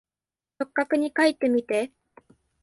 直角にかいてみて。